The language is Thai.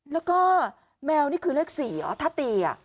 แล้วก็แมวนี่คือเลขสี่อ่ะถ้าตีอ่ะ